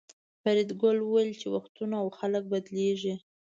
فریدګل وویل چې وختونه او خلک بدلیږي